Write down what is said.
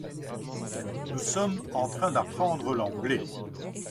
Nous sommes en train d'apprendre l'anglais.